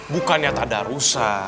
bukannya tak ada rusak